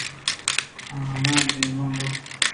آ ہما دمان ءَ مُرت